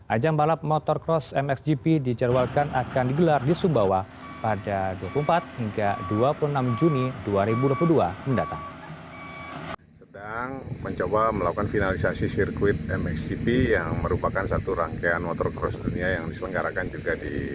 ajang balap motorcross mxgp dijadwalkan akan digelar di sumbawa pada dua puluh empat hingga dua puluh enam juni dua ribu dua puluh dua mendatang